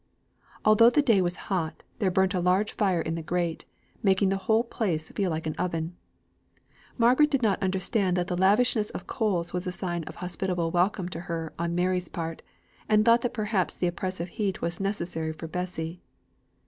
Although the day was hot, there burnt a large fire in the grate, making the whole place feel like an oven; Margaret did not understand that the lavishness of coals was a sign of hospitable welcome to her on Mary's part, and thought that perhaps the oppressive heat was necessary for Bessy.